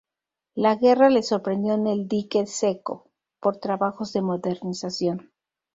La guerra le sorprendió en el dique seco, por trabajos de modernización.